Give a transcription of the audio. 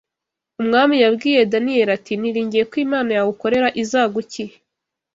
umwami yabwiye Daniyeli ati niringiye ko Imana yawe ukorera izaguki